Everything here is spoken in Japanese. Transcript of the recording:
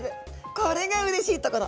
これがうれしいところ。